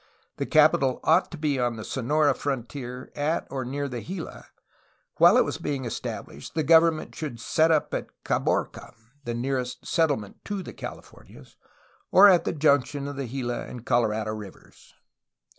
The capital ought to be on the Sonora frontier at or near the Gila; while it was being established the government should be set up at Caborca (the nearest settlement to the Cahfornias) or at the junction of the Gila and Colorado rivers.